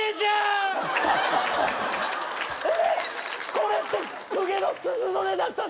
これって公家の鈴の音だったの？